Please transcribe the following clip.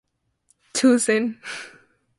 Tuzin.